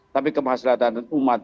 tapi kemahaselatan umat